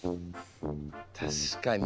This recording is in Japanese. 確かに。